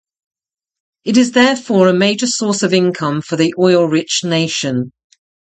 It is therefore a major source of income for the oil-rich nation.